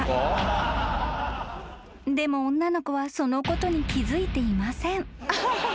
［でも女の子はそのことに気付いていません］